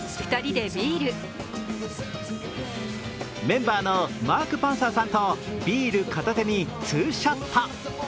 メンバーのマーク・パンサーさんとビール片手にツーショット。